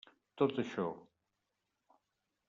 Tot això.